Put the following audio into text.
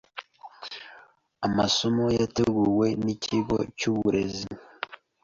amasomo yateguwe n’ikigo cy’uburezi